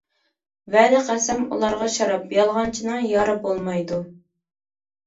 ۋەدە قەسەم ئۇلارغا شاراب، يالغانچىنىڭ يارى بولمايدۇ.